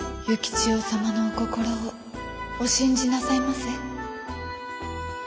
千代様のお心をお信じなさいませ。